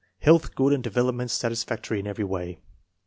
Health good and development satis factory in every way.